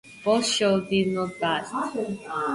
Both shows did not last.